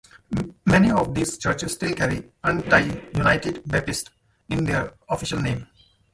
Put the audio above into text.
Many of these churches still carry "United Baptist" in their official name.